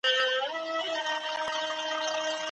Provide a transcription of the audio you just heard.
سباناري د بدن ساعتونو د تنظیم لپاره مهمه ده.